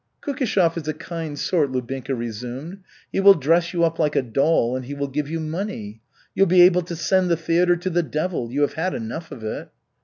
"Kukishev is a kind sort," Lubinka resumed. "He will dress you up like a doll, and he will give you money. You'll be able to send the theatre to the devil. You have had enough of it."